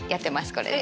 これで。